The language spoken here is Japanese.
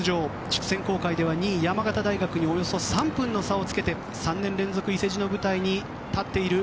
地区選考会では２位山形大学とおよそ３分の差をつけて３年連続伊勢路の舞台に立っている